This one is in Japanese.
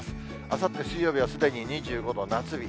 あさって水曜日はすでに２５度、夏日。